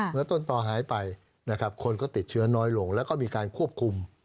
เมื่อต้นต่อหายไปนะครับคนก็ติดเชื้อน้อยลงแล้วก็มีการควบคุม